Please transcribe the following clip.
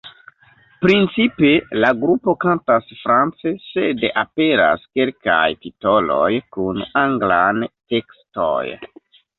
Principe la grupo kantas france sed aperas kelkaj titoloj kun anglan tekstoj.